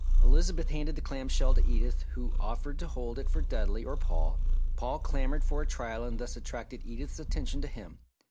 Elizabeth handed the clam shell to Edith who offered to hold it for Dudley or Paul. Paul clamoured for a trial and thus attracted Edith's attention to him.